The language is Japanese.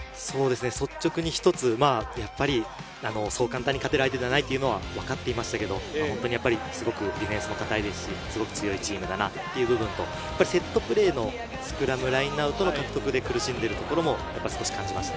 率直に一つ、やっぱりそう簡単に勝てる相手ではないというのは分かっていましたが、本当にすごくディフェンスも堅いですし、すごく強いチームだなということと、セットプレーのスクラム、ラインアウトの獲得で苦しんでるところも少し感じました。